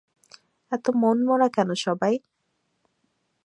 এত মনমরা কেন সবাই?